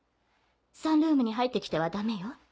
サンルームに入って来てはダメよ。